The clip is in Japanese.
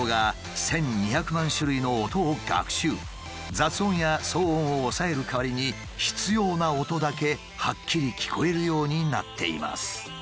雑音や騒音を抑える代わりに必要な音だけはっきり聞こえるようになっています。